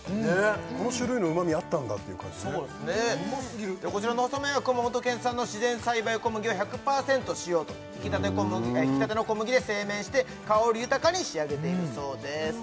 この種類のうまみあったんだっていう感じねこちらの細麺は熊本県産の自然栽培小麦を１００％使用と挽きたての小麦で製麺して香り豊かに仕上げているそうです